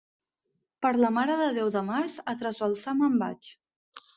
Per la Mare de Déu de març a trasbalsar me'n vaig.